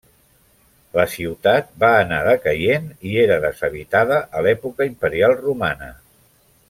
La ciutat va anar decaient i era deshabitada a l'època imperial romana.